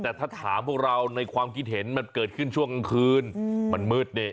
แต่ถ้าถามพวกเราในความคิดเห็นมันเกิดขึ้นช่วงกลางคืนมันมืดนี่